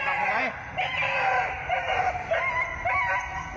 ใครต่อไปไหน